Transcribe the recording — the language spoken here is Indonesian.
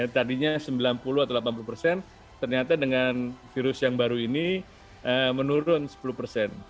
tadinya sembilan puluh atau delapan puluh persen ternyata dengan virus yang baru ini menurun sepuluh persen